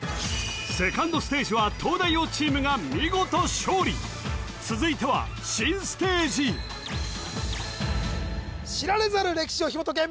セカンドステージは東大王チームが見事勝利続いては新ステージ知られざる歴史を紐解け！